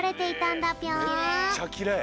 めっちゃきれい。